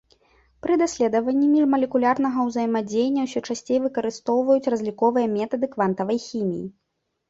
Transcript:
Пры даследаванні міжмалекулярнага ўзаемадзеяння ўсё часцей выкарыстоўваюць разліковыя метады квантавай хіміі.